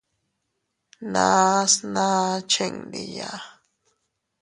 Nas naa chindiya.